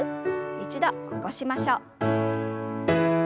一度起こしましょう。